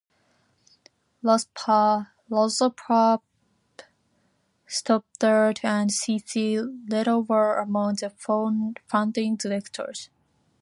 Lothrop Stoddard and C. C. Little were among the founding directors.